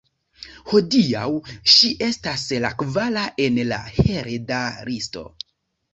Hodiaŭ ŝi estas la kvara en la hereda listo.